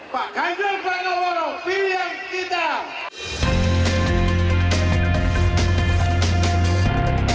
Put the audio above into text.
pak kajang pak ngooro pilih yang sekitar